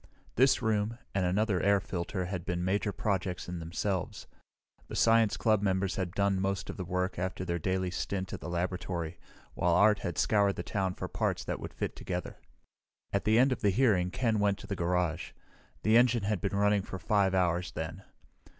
This room, and another air filter, had been major projects in themselves. The science club members had done most of the work after their daily stint at the laboratory, while Art had scoured the town for parts that would fit together. At the end of the hearing Ken went to the garage. The engine had been running for 5 hours then.